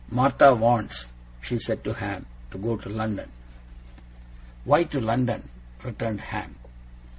'Martha wants,' she said to Ham, 'to go to London.' 'Why to London?' returned Ham.